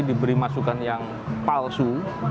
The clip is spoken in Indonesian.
diberi masukan yang palsu